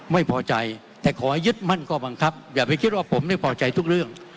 ไม่พอใจแต่ขอยึดมั่นข้อบังคับอย่าไปคิดว่าผมไม่พอใจทุกเรื่อง